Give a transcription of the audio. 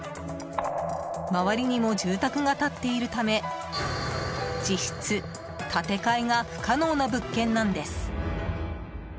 周りにも住宅が立っているため実質、建て替えが不可能な物件なんです。